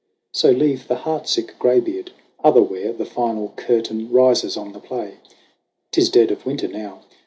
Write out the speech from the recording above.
So leave the heartsick graybeard. Otherwhere The final curtain rises on the play. J Tis dead of Winter now.